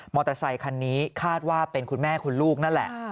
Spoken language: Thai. อเตอร์ไซคันนี้คาดว่าเป็นคุณแม่คุณลูกนั่นแหละ